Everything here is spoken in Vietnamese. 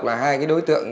là hai cái đối tượng